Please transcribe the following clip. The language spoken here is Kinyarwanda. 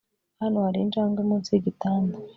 hano hari injangwe munsi yigitanda